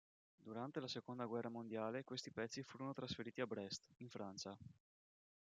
Durante la seconda guerra mondiale questi pezzi furono trasferiti a Brest, in Francia.